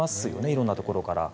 色んなところから。